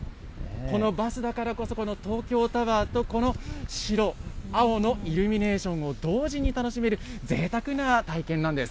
このバスだからこそ、この東京タワーと、この白、青のイルミネーションを同時に楽しめる、ぜいたくな体験なんです。